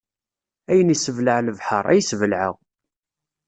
Ayen isseblaɛ lebḥeṛ, ay sbelɛeɣ.